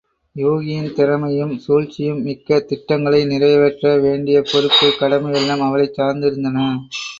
யூகியின் திறமையும் சூழ்ச்சியும் மிக்க திட்டங்களை நிறைவேற்ற வேண்டிய பொறுப்பு, கடமை எல்லாம் அவளைச் சார்ந்திருந்தன.